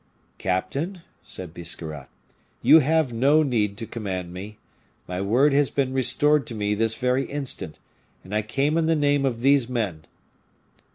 "Captain," said Biscarrat, "you have no need to command me. My word has been restored to me this very instant; and I came in the name of these men."